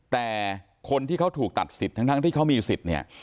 แต่คนที่เขาถูกตัดสิทธิ์ทั้งที่เขามีสิทธิ์เนี่ย